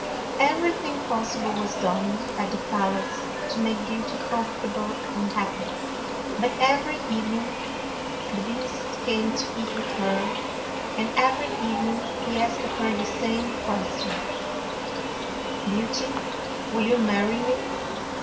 Everything possible was done at the pal ace to make Beauty comfortable and happy; but every evening the Beast came to eat with her, and every evening he asked her the same question, " Beauty, will you marry me?